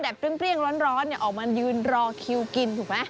เปรี้ยงร้อนออกมายืนรอคิวกินถูกไหม